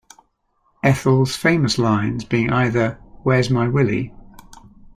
Ethel's famous lines being either, Where's my Willy?